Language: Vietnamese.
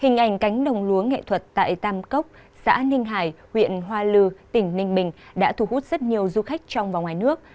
hình ảnh cánh đồng lúa nghệ thuật tại tam cốc xã ninh hải huyện hoa lư tỉnh ninh bình đã thu hút rất nhiều du khách trong và ngoài nước